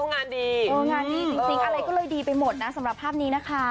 งานดีงานดีจริงอะไรก็เลยดีไปหมดนะสำหรับภาพนี้นะคะ